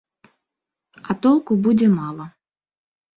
А толку будзе мала.